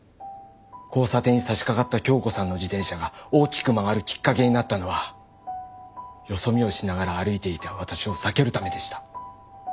交差点に差しかかった京子さんの自転車が大きく曲がるきっかけになったのはよそ見をしながら歩いていた私を避けるためでした。